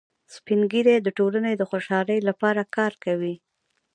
سپین ږیری د ټولنې د خوشحالۍ لپاره کار کوي